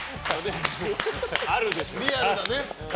リアルなね。